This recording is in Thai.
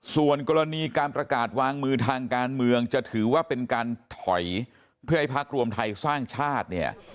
ส่วนกรณีการประกาศวางมือทางการเมืองจะถือว่าเป็นการถอยเพื่อให้พักรวมไทยสร้างชาติเนี่ย